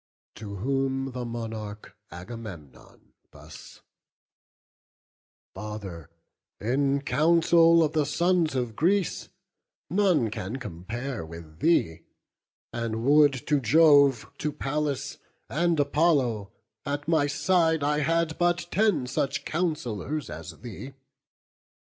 To whom the monarch Agamemnon thus: "Father, in council, of the sons of Greece, None can compare with thee; and would to Jove To Pallas, and Apollo, at my side I had but ten such counsellors as thee!